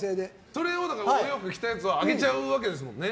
それを、だからお洋服着たやつをあげちゃうわけですもんね。